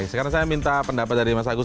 sekarang saya minta pendapat dari mas agus